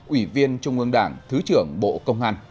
ủy viên trung ương đảng thứ trưởng bộ công an